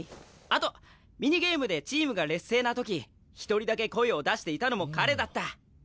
あとミニゲームでチームが劣勢な時一人だけ声を出していたのも彼だった。